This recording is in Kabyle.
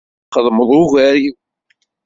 Txedmeḍ ugar-iw.